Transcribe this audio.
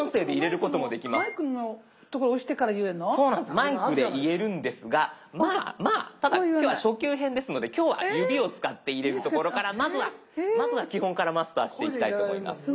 マイクで言えるんですがまあただ今日は初級編ですので今日は指を使って入れるところからまずは基本からマスターしていきたいと思います。